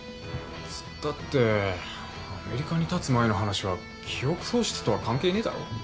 つったってアメリカにたつ前の話は記憶喪失とは関係ねえだろ。